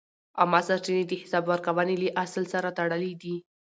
عامه سرچینې د حساب ورکونې له اصل سره تړلې دي.